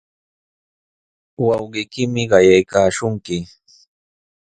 Wawqiykimi qayaykaashunki.